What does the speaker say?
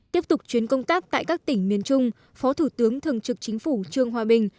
tiếp tục chuyến công tác tại các tỉnh miền trung phó thủ tướng thường trực chính phủ trương hòa bình